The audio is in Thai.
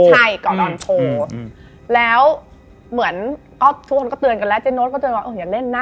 จ๊ะบ๊ายแล้วเหมือนทุกคนก็เตือนกันแล้วเจ๊โน้ตก็เตือนกันดอย่ามันเล่น